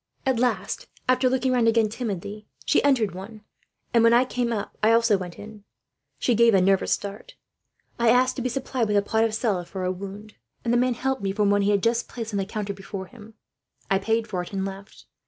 "At last, after looking round again timidly, she entered one; and when I came up, I also went in. She gave a nervous start. I asked to be supplied with a pot of salve for a wound, and the man helped me from one he had just placed on the counter before him. I paid for it, and left.